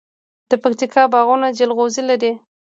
د پکتیکا باغونه جلغوزي لري.